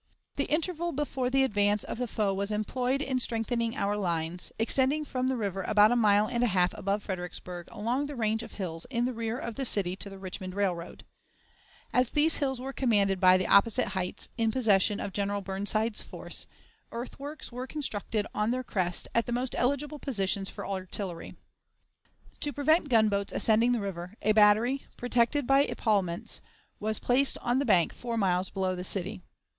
The interval before the advance of the foe was employed in strengthening our lines, extending from the river about a mile and a half above Fredericksburg along the range of hills in the rear of the city to the Richmond Railroad, As these hills were commanded by the opposite heights, in possession of General Burnside's force, earthworks were constructed on their crest at the most eligible positions for artillery. To prevent gunboats ascending the river, a battery, protected by epaulements, was placed on the bank four miles below the city.